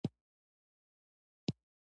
د بلخ وریجې په مزار کې پخیږي.